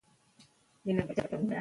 د قانون مراعت ثبات راولي